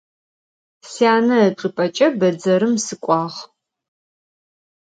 Syane ıçç'ıp'eç'e bedzerım sık'uağ.